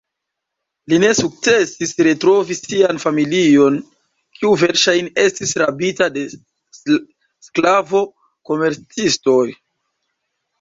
Li ne sukcesis retrovi sian familion, kiu verŝajne estis rabita de sklavo-komercistoj.